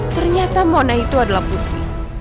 ternyata mona itu adalah putri